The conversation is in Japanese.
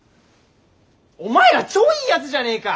お前ら超いいやつじゃねえか！